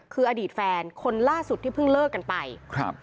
คืออดีตแฟนคนล่าสุดที่เพิ่งเลิกกันไปครับ